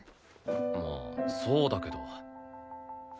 まあそうだけど。